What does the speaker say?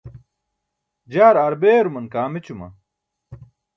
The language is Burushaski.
jaar aar beeruman kaam ećuma?